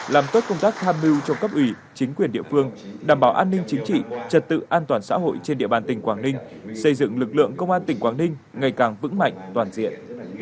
làm tốt công tác tham mưu cho cấp ủy chính quyền địa phương đảm bảo an ninh chính trị trật tự an toàn xã hội trên địa bàn tỉnh quảng ninh xây dựng lực lượng công an tỉnh quảng ninh ngày càng vững mạnh toàn diện